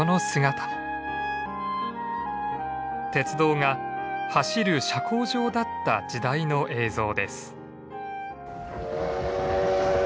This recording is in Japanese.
鉄道が走る社交場だった時代の映像です。